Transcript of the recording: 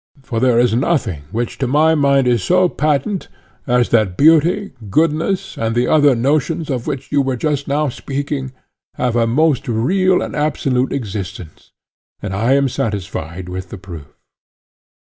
For there is nothing which to my mind is so patent as that beauty, goodness, and the other notions of which you were just now speaking, have a most real and absolute existence; and I am satisfied with the proof.